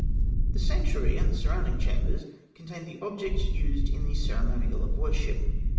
] The sanctuary and the surrounding chambers contained the objects used in the ceremonial of worship.